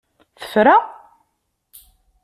Tefra?